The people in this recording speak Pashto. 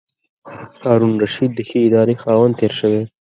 هارون الرشید د ښې ادارې خاوند تېر شوی.